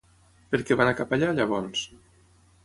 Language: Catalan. Per què va anar cap allà, llavors?